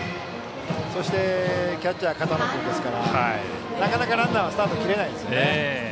そしてキャッチャーは片野君ですからなかなかランナーはスタートを切れないですね。